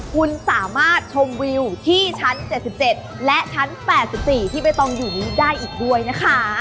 คุณสามารถชมวิวที่ชั้น๗๗และชั้น๘๔ที่ใบตองอยู่นี้ได้อีกด้วยนะคะ